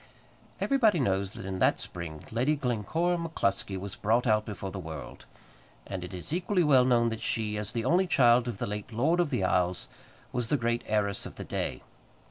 Everybody knows that in that spring Lady Glencora MacCluskie was brought out before the world, and it is equally well known that she, as the only child of the late Lord of the Isles, was the great heiress of the day.